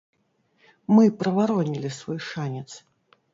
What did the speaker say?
Мы праваронілі свой шанец.